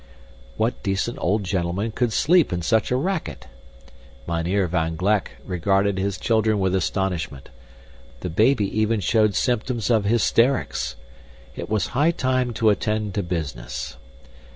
What decent old gentleman could sleep in such a racket! Mynheer van Gleck regarded his children with astonishment. The baby even showed symptoms of hysterics. It was high time to attend to business.